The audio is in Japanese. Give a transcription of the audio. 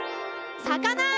さかな！